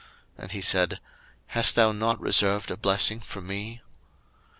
And he said, Hast thou not reserved a blessing for me?